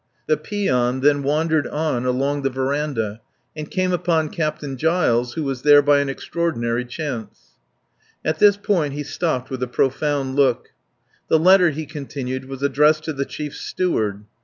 The peon then wandered on along the verandah and came upon Captain Giles, who was there by an extraordinary chance. ... At this point he stopped with a profound look. The letter, he continued, was addressed to the Chief Steward.